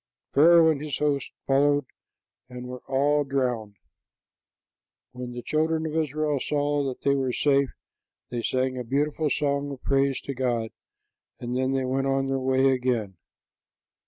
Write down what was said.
Pharaoh and his hosts followed and were all drowned. When the children of Israel saw that they were safe, they sang a beautiful song of praise to God, and then they went on their way again.